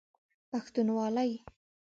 پښتونوالی